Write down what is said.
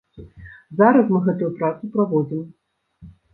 Зараз мы гэтую працу праводзім.